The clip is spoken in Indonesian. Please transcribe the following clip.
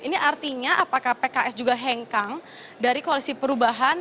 ini artinya apakah pks juga hengkang dari koalisi perubahan